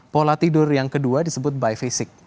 pola tidur yang kedua disebut bifasik